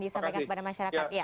disampaikan kepada masyarakat